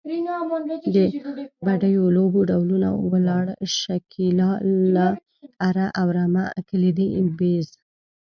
د بډیو لوبو ډولونه، ولاړه، شکیلاله، اره او رمه، ګیلدي، بیز …